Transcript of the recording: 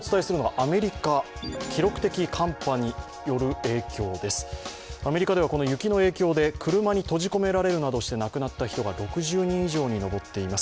アメリカではこの雪の影響で車に閉じ込められるなどして亡くなった人が６０人以上に上っています。